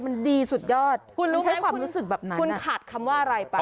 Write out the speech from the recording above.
มันดีสุดยอดคุณต้องใช้ความรู้สึกแบบนั้นคุณขาดคำว่าอะไรไป